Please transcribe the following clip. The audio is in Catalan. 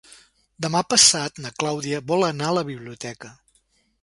Demà passat na Clàudia vol anar a la biblioteca.